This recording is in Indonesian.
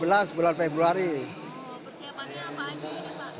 persiapannya apa aja sih pak